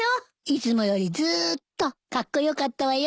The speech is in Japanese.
いつもよりずーっとカッコ良かったわよ。